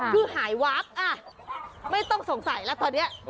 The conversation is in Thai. คือหายวับไม่ต้องสงสัยแล้วตอนนี้